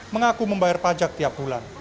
mengaku membayar pajak tiap bulan